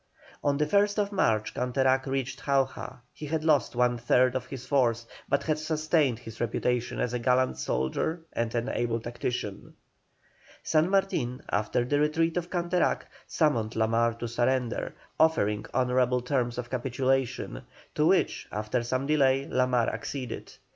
On the 1st March Canterac reached Jauja; he had lost one third of his force, but had sustained his reputation as a gallant soldier and an able tactician. San Martin, after the retreat of Canterac, summoned La Mar to surrender, offering honourable terms of capitulation, to which, after some delay, La Mar acceded.